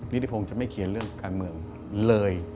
นิติพงศ์จะไม่เขียนเรื่องการเมืองเลย